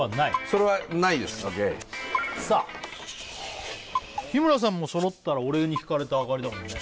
揃わないですＯＫさあ日村さんも揃ったら俺に引かれてあがりだもんね